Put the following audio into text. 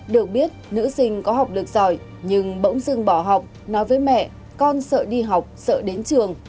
được biết nữ sinh có học lực giỏi nhưng bỗng dưng bỏ học nói với mẹ con sợ đi học sợ đến trường